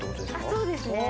そうですね。